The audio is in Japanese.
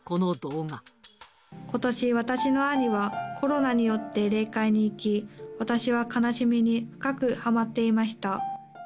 ことし、私の兄はコロナによって霊界に逝き、私は悲しみに深くはまっていました。